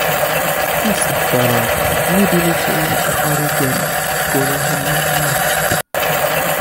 دوست دارم میدونی که این کار دله گناه من نیست